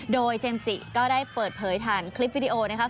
โดยเจมส์จิก็ได้เปิดเผยผ่านคลิปวิดีโอนะครับ